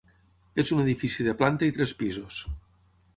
És un edifici de planta i tres pisos.